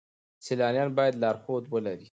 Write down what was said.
سیلانیان باید لارښود ولرئ.